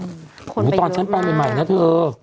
นั่นไงมักเลยคือตอนฉันไปใหม่นะเธอ